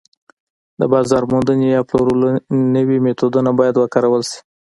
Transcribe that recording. د بازار موندنې یا پلورلو نوي میتودونه باید وکارول شي